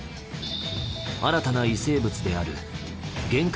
新たな異生物である原核